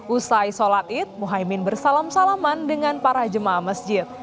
usai sholat id muhaymin bersalam salaman dengan para jemaah masjid